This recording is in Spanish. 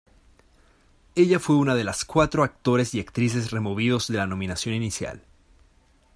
Ella fue una de los cuatro actores y actrices removidos de la nominación inicial.